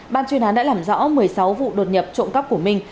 ban chuyên án đã làm rõ một mươi sáu vụ đột nhập trộm cắp của minh